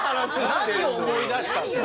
何を思い出したの？